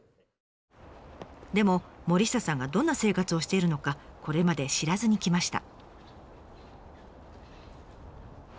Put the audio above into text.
でも森下さんがどんな生活をしているのかこれまで知らずにきました。